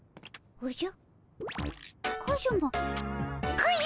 おじゃ！